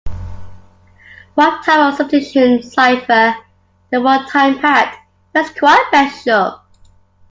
One type of substitution cipher, the one-time pad, is quite special.